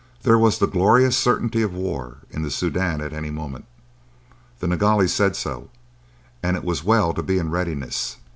There was the glorious certainty of war in the Soudan at any moment. The Nilghai said so, and it was well to be in readiness.